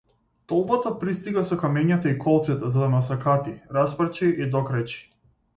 Толпата пристига со камењата и колците за да ме осакати, распарчи и докрајчи.